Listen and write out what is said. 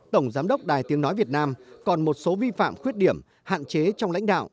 tổng giám đốc đài tiếng nói việt nam còn một số vi phạm khuyết điểm hạn chế trong lãnh đạo